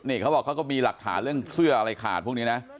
นี่เขาบอกเขาก็มีหลักฐานเรื่องเสื้ออะไรขาดพวกนี้นะ